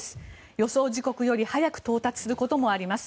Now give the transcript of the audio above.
予想時刻より早く到達することもあります。